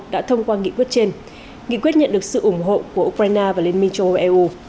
đã thông qua nghị quyết trên nghị quyết nhận được sự ủng hộ của ukraine và liên minh châu âu eu